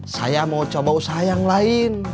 saya mau coba usaha yang lain